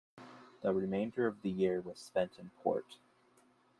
The remainder of the year was spent in port.